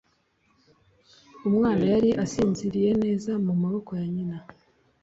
umwana yari asinziriye neza mu maboko ya nyina